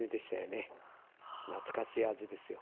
懐かしい味ですよ。